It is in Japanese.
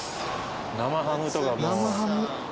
生ハムとかもう。